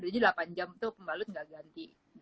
jadi delapan jam tuh pembalut gak ganti